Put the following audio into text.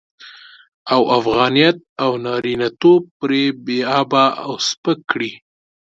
او افغانيت او نارينه توب پرې بې آبه او سپک کړي.